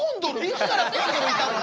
いつからコンドルいたの？